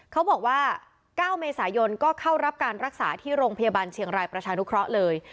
เขาบอกว่า๙เมษายนก็เข้ารับการรักษาที่โรงพยาบาลเชียงรายประชานุเคราะห์เลย